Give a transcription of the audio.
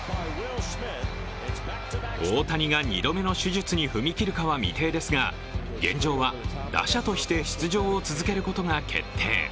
大谷が２度目の手術に踏み切るかは未定ですが現状は打者として出場を続けることが決定。